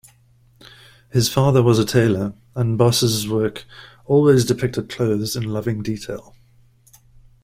His father was a tailor, and Bosse's work always depicted clothes in loving detail.